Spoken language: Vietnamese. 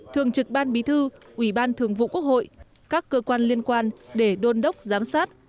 thường trực ban bí thư ủy ban thường vụ quốc hội các cơ quan liên quan để đôn đốc giám sát